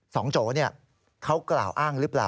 สองโจ๊ะนี่เขากล่าวอ้างหรือเปล่า